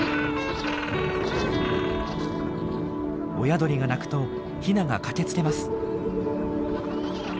親鳥が鳴くとヒナが駆けつけます。